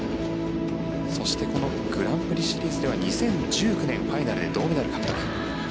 そしてこのグランプリシリーズでは２０１９年ファイナルで銅メダル獲得。